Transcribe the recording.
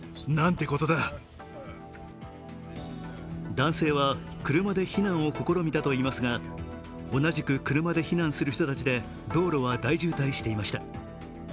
男性は車で避難を試みたといいますが同じく車で避難する人たちで道路は大渋滞していました。